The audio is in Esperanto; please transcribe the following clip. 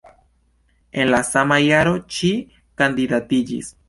En la sama jaro ŝi kandidatiĝis.